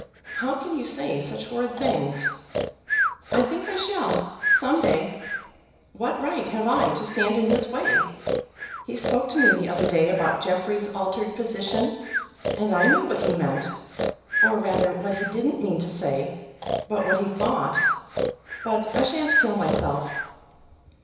"How can you say such horrid things?" "I think I shall, some day. What right have I to stand in his way? He spoke to me the other day about Jeffrey's altered position, and I knew what he meant; or rather what he didn't mean to say, but what he thought. But I shan't kill myself."